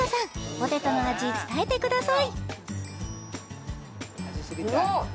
ポテトの味伝えてください！